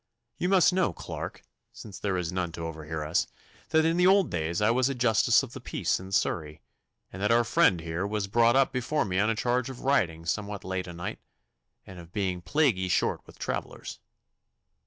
You must know, Clarke, since there is none to overhear us, that in the old days I was a Justice of the Peace in Surrey, and that our friend here was brought up before me on a charge of riding somewhat late o' night, and of being plaguey short with travellers.